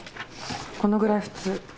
このぐらい普通。